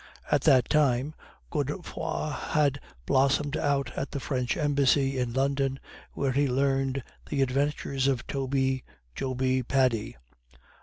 At that time Godefroid had blossomed out at the French Embassy in London, where he learned the adventures of Toby, Joby, Paddy.